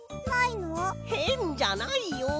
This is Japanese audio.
へんじゃないよ！